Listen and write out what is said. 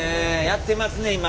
やってますね今！